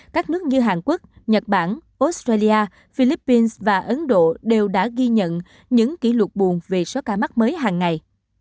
các nước như hàn quốc nhật bản australia philippines và ấn độ đều đã ghi nhận những kỷ lục buồn về số ca mắc mới hàng ngày